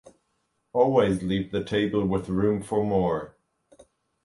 Always leave the table with room for more.